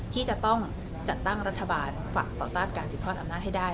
ที่จะต้องจัดตั้งรัฐบาลฝักต่อต้านการสืบทอดอำนาจให้ได้